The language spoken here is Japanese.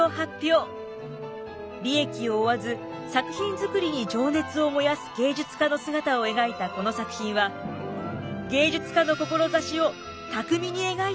利益を追わず作品作りに情熱を燃やす芸術家の姿を描いたこの作品は芸術家の志を巧みに描いていると高い評価を受けました。